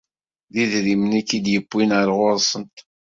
D idrimen i k-id-yewwin ar ɣur-sent.